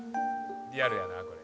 「リアルやなこれ」